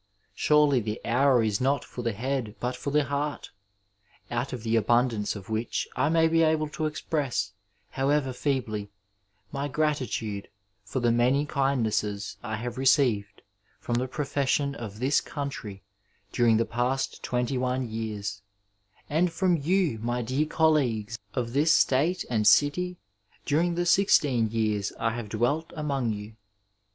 Surely the hour is not for the head but for the heart, out of the abundance of which I may be able to express, however feebly, my grati tude for the many kindnesses I have received from the profession of this country during the past twenty one years, and from you, my dear colleagues of this state and city, during the sixteen years I have dwelt among you.